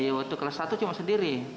waktu kelas satu cuma sendiri